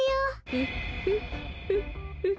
フッフッフッフッ。